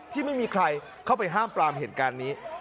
ที่ไม่มีใครเข้าไปห้ามปรามเหตุการณ์นี้